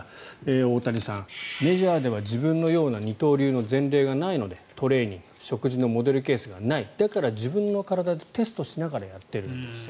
大谷さん、メジャーでは自分のような二刀流の前例がないのでトレーニング食事のモデルケースがないだから自分の体でテストしながらやっていると。